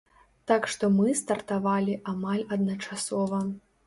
Так што мы стартавалі амаль адначасова.